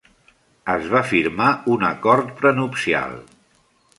Es va firmar un acord prenupcial.